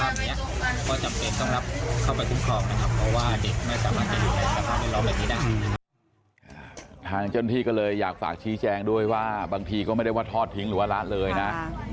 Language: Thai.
ทางเจ้าหน้าที่ก็เลยอยากฝากชี้แจงด้วยว่าบางทีก็ไม่ได้ว่าทอดทิ้งหรือว่าละเลยนะ